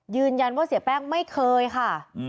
ยืนยันว่าเสียแป้งไม่เคยค่ะ